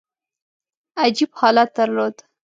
عجیب حالت درلود.